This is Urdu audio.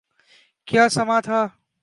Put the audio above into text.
کیا سماں تھا۔